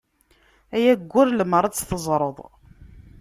Ay aggur lemmer ad tt-teẓṛeḍ.